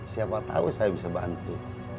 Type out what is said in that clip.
siapa tahu saya bisa bantu